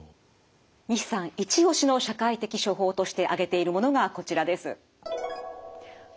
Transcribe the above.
西さんイチ押しの社会的処方として挙げているものがこちらです。